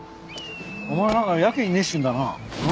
お前なんかやけに熱心だな。